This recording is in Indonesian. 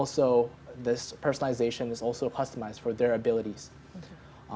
dan juga personalisasi ini juga dipustimalkan untuk kemampuan mereka